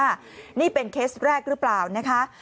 คุณผู้ชมฟังเสียงผู้หญิง๖ขวบโดนนะคะ